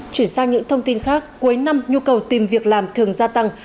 chuyển sang những thông tin khác cuối năm nhu cầu tìm việc làm thường gia tăng